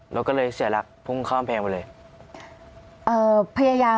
รถก็เลยเสียหลักพุ่งข้ามแพงไปเลย